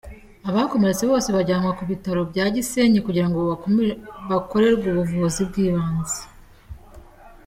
Abakomeretse bose bajyanwa ku Bitaro bya Gisenyi kugira ngo bakorerwe ubuvuzi bw’ibanze.